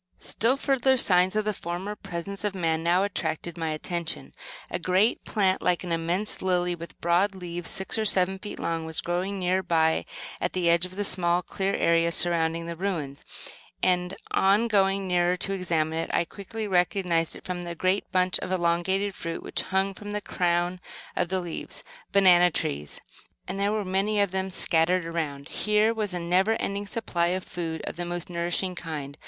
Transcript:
Still further signs of the former presence of man now attracted my attention. A great plant, like an immense lily, with broad leaves six or seven feet long was growing near by at the edge of the small clear area surrounding the ruins; and, on going nearer to examine it I quickly recognized it from the great bunch of elongated fruit which hung from the crown of leaves. Banana trees! And there were many of them scattered around. Here was a never ending supply of food, of the most nourishing kind.